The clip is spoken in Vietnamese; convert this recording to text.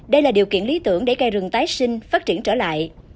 đây là điều kiện lý tưởng để cây rừng tái sinh phát triển trở lại